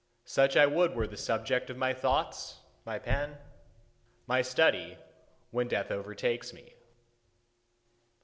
Such I would were the subject of my thoughts, my pen, my study, when death overtakes me.